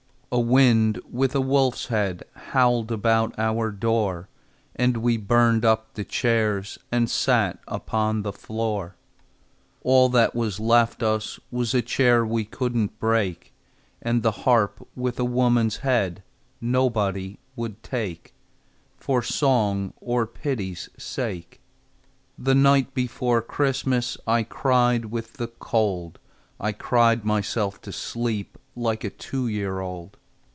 A wind with a wolf's head Howled about our door, And we burned up the chairs And sat upon the floor. All that was left us Was a chair we couldn't break, And the harp with a woman's head Nobody would take, For song or pity's sake. The night before Christmas I cried with the cold, I cried myself to sleep Like a two year old.